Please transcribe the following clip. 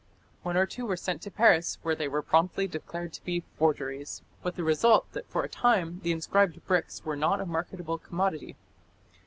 One or two were sent to Paris, where they were promptly declared to be forgeries, with the result that for a time the inscribed bricks were not a marketable commodity.